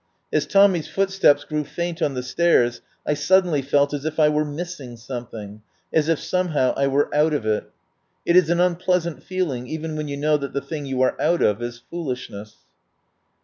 As Tommy's footsteps grew faint on the stairs I suddenly felt as if I were missing something, as if somehow I were out of it It 24 THE WILD GOOSE CHASE is an unpleasant feeling, even when you know that the thing you are out of is foolishness.